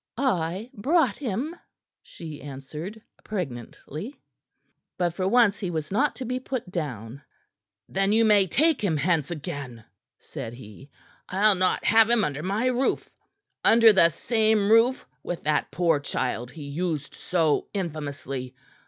"I brought him," she answered pregnantly. But for once he was not to be put down. "Then you may take him hence again," said he. "I'll not have him under my roof under the same roof with that poor child he used so infamously.